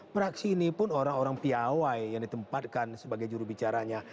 praksi ini pun orang orang piawai yang ditempatkan sebagai jurubicaranya